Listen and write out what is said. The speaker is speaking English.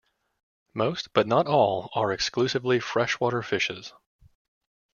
Most but not all are exclusively freshwater fishes.